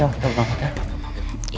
ya oke kita berangkat ya